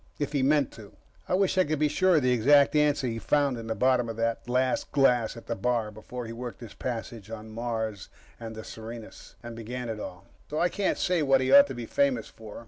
If he meant to. I wish I could be sure of the exact answer he found in the bottom of that last glass at the bar before he worked his passage to Mars and the Serenus, and began it all. So, I can't say what he ought to be famous for.